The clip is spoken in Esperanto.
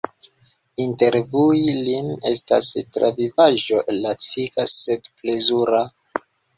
Intervjui lin estas travivaĵo laciga sed plezura!